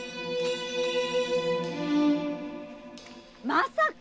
まさか！